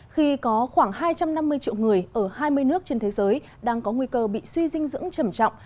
khi có khoảng hai trăm năm mươi triệu người ở hai mươi nước trên thế giới đang có nguy cơ bị suy dinh dưỡng trầm trọng